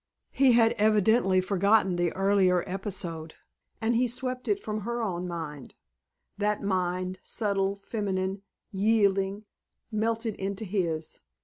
He had evidently forgotten the earlier episode, and he swept it from her own mind. That mind, subtle, feminine, yielding, melted into his.